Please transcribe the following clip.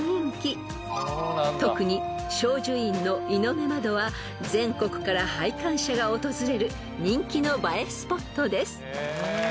［特に正寿院の猪目窓は全国から拝観者が訪れる人気の映えスポットです］